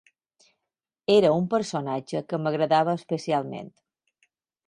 Era un personatge que m'agradava especialment.